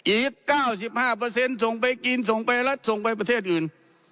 อีก๙๕ส่งไปกินส่งไปประเทศอื่น